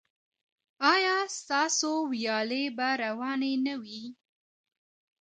ایا ستاسو ویالې به روانې نه وي؟